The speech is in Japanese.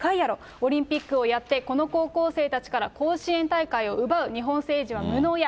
オリンピックをやって、この高校生たちから甲子園大会を奪う日本政治は無能や。